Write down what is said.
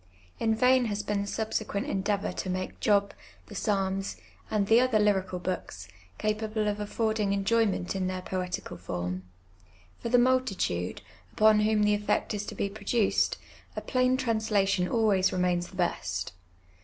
In vain has been the subsequent endeavour to make Job, the Psalms, and the other hTical books, capable of affording enjoyment in their poetical form. For the multitude, upon whom the effect is to be produced, a plain translation always remains the best.